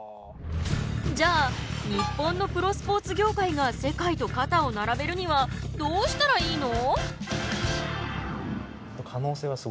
じゃあ日本のプロスポーツ業界が世界と肩を並べるにはどうしたらいいの？